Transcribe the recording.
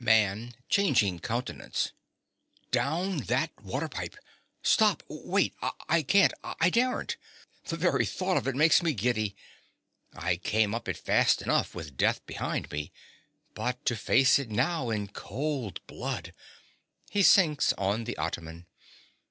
_) MAN. (changing countenance). Down that waterpipe! Stop! Wait! I can't! I daren't! The very thought of it makes me giddy. I came up it fast enough with death behind me. But to face it now in cold blood!—(_He sinks on the ottoman.